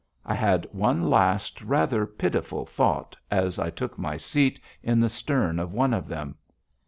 _ I had one last rather pitiful thought as I took my seat in the stern of one of them.